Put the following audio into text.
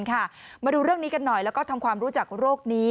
มาดูเรื่องนี้กันหน่อยแล้วก็ทำความรู้จักโรคนี้